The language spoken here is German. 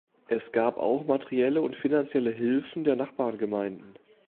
Es gab auch materielle und finanzielle Hilfen der Nachbargemeinden.